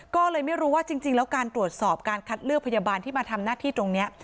ก็เลยไม่รู้ว่าจริงแล้วการตรวจสอบการคัดเลือกพยาบาลที่มาทำหน้าที่ตรงนี้